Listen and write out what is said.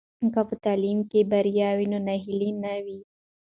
که په تعلیم کې بریا وي نو ناهیلي نه وي.